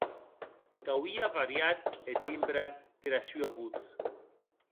Qu’auie variat eth timbre dera sua votz.